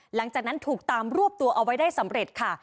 หลังจากนั้นถูกตามรวบตัวเอาไว้ได้สำเร็จค่ะ